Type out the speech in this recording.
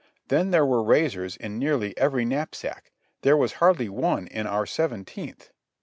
Then there w^re razors in nearly every knapsack (there was hardly one in our Seventeenth!)